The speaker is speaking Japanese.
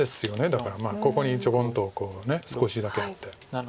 だからここにちょこんと少しだけあって。